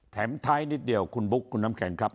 ท้ายนิดเดียวคุณบุ๊คคุณน้ำแข็งครับ